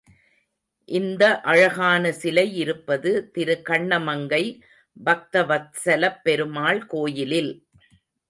இந்த அழகான சிலை இருப்பது திருகண்ணமங்கை பக்தவத்ஸலப் பெருமாள் கோயிலில்.